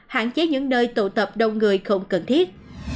hạn chế những nơi tụ tập đông người không cần thiết